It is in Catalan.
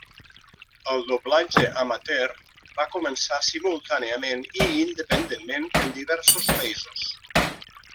El doblatge amateur va començar simultàniament i independentment en diversos països.